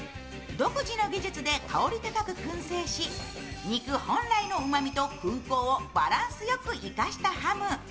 独自の技術で香り高くくん製し肉本来のうまみと薫香をバランスよく生かしたハム。